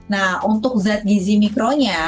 nah untuk zat gizi mikronya